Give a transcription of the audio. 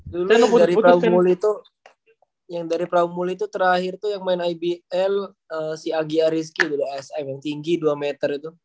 dulu dari prabu muli itu yang dari prabu muli itu terakhir tuh yang main ibl si anggi ariski dulu yang tinggi dua meter itu